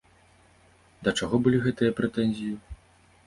Да чаго былі гэтыя прэтэнзіі?